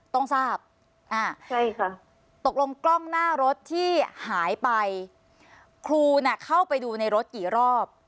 ต้องทราบอ่าใช่ค่ะตกลงกล้องหน้ารถที่หายไปครูน่ะเข้าไปดูในรถกี่รอบ